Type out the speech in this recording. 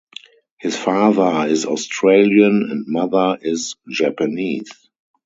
His father is Australian and mother is Japanese.